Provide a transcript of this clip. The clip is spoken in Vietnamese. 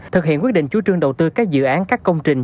thực hiện quyết định chú trương đầu tư các dự án các công trình